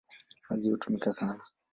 Maziwa hutumika sana.